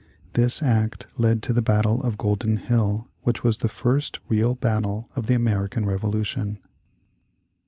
This act led to the battle of Golden Hill, which was the first real battle of the American Revolution.